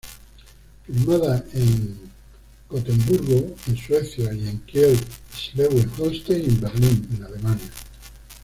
Filmada en en Gotemburgo en Suecia y en Kiel, Schleswig-Holstein y Berlín, en Alemania.